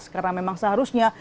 karena memang seharusnya